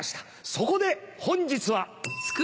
そこで本日は。